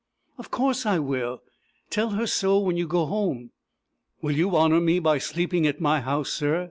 "Of course I will. Tell her so when you go home." "Will you honour me by sleeping at my house, sir?"